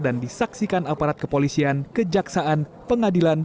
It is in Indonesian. dan disaksikan aparat kepolisian kejaksaan pengadilan